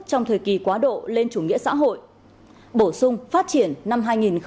trong thời kỳ quá độ lên chủ nghĩa xã hội bổ sung phát triển năm hai nghìn một mươi